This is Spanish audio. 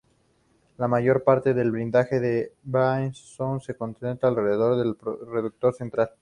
La mayor parte del blindaje de un dreadnought se concentraba alrededor del reducto central.